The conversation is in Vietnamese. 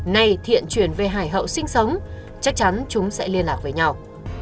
nay thiện chuyển về hải hậu sinh sống chắc chắn chúng sẽ liên lạc với nhau